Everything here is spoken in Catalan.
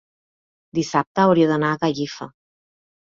dissabte hauria d'anar a Gallifa.